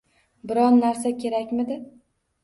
Biron narsa kerakmidi